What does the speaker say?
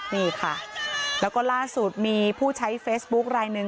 นี่ค่ะแล้วก็ล่าสุดมีผู้ใช้เฟซบุ๊คลายหนึ่ง